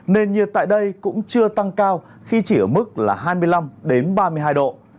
nền nhiệt tại đây cũng chưa tăng cao khi chỉ ở mức là hai mươi năm ba mươi hai độ